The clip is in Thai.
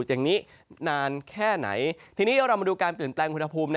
อย่างนี้นานแค่ไหนทีนี้เรามาดูการเปลี่ยนแปลงอุณหภูมิ